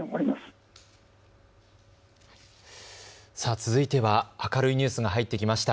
続いては明るいニュースが入ってきました。